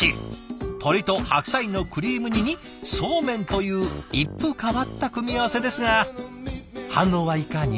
鶏と白菜のクリーム煮にそうめんという一風変わった組み合わせですが反応はいかに？